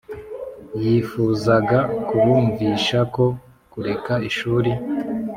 yifuzaga kubumvisha ko kureka ishuri